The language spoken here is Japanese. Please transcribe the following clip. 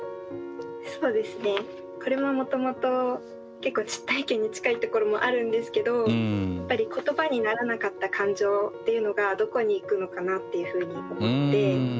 そうですねこれももともと結構実体験に近いところもあるんですけどやっぱり言葉にならなかった感情っていうのがどこに行くのかなっていうふうに思って。